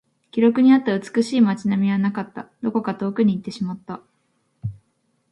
記録にあった美しい街並みはなかった。どこか遠くに行ってしまった。